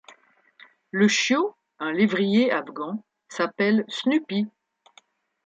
Le chiot, un lévrier afghan, s'appelle Snuppy.